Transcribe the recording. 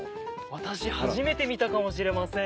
私初めて見たかもしれません。